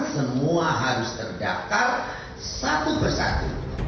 semua harus terdaftar satu persatu